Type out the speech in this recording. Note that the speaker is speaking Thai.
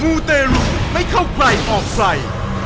มูเตรุให้เข้าใกล้ออกไฟ